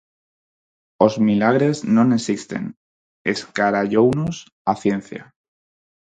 Os milagres non existen, escarallounos a ciencia